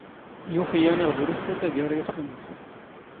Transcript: ⵢⵓⴼ ⵉ ⵢⴰⵏ ⵉⵖ ⴷ ⵓⵔ ⵉⵙⵙⴰⴽ ⴰⴳⴰⵔ ⵉ ⵢⵉⵅⴼ ⵏⵏⵙ.